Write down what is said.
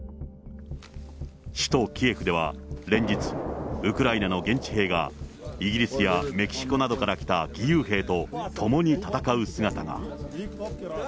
首都キエフでは、連日、ウクライナの現地兵が、イギリスやメキシコなどから来た義勇兵と共に戦う姿が。